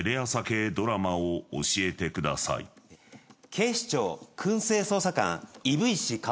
警視庁燻製捜査官燻石香。